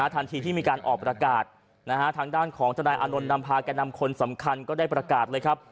ทันทีที่มีการออกประกาศทางด้านของทนายอานนท์นำพาแก่นำคนสำคัญก็ได้ประกาศเลยครับ